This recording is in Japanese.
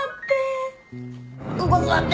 ここ座って。